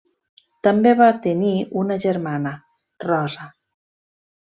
També va tenir una germana, Rosa.